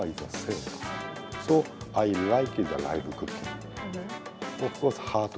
sekarang sudah terbiasa dengan ketemu banyak